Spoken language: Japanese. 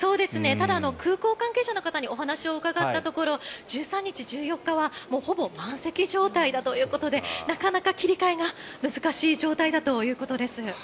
ただ、空港関係者の方にお話を伺ったところ１３日１４日はほぼ満席状態だということでなかなか切り替えが難しい状態だということです。